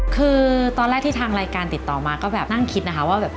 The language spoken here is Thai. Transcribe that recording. คือตอนแรกที่ทางรายการติดต่อมาก็แบบนั่งคิดนะคะว่าแบบ